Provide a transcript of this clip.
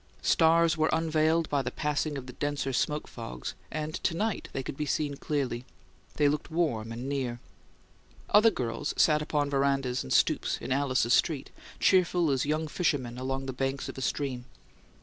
Stars were unveiled by the passing of the denser smoke fogs, and to night they could be seen clearly; they looked warm and near. Other girls sat upon verandas and stoops in Alice's street, cheerful as young fishermen along the banks of a stream.